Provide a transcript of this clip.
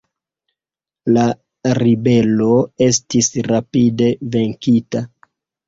La ribelo estis rapide venkita.